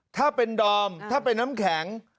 ถ้าเป็นดอมถ้าเป็นน้ำแข็ง